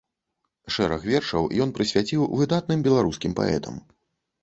Шэраг вершаў ён прысвяціў выдатным беларускім паэтам.